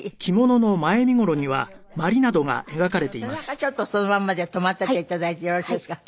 ちょっとそのまんまで止まっていて頂いてよろしいですか？